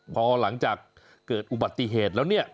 พอหลังจากเกิดอุบัติเหตุแล้วเนี่ย